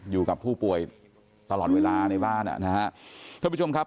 อยู่กับผู้ป่วยตลอดเวลาในบ้านอ่ะนะฮะท่านผู้ชมครับ